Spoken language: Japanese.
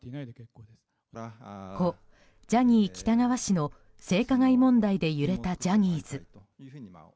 故ジャニー喜多川氏の性加害問題で揺れたジャニーズ。